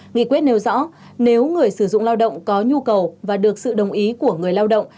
nghị quyết nêu rõ nếu người sử dụng lao động có nhu cầu và được sự đồng ý của người lao động